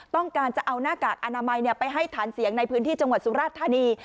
ต้องการจะเอาหน้ากากอนามัยไปให้ฐานเสียงในพื้นที่จังหวัดสุราชธานี